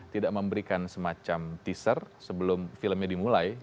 tidak memberikan semacam teaser sebelum filmnya dimulai